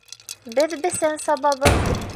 Беҙ бесән сабабыҙ